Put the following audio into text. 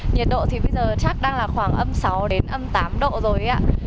nhiệt độ thì bây giờ chắc đang là khoảng âm sáu đến âm tám độ rồi ạ